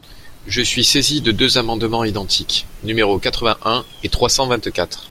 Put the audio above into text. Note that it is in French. Je suis saisie de deux amendements identiques, numéros quatre-vingt-un et trois cent vingt-quatre.